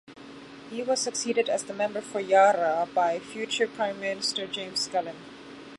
He was succeeded as the member for Yarra by future Prime Minister James Scullin.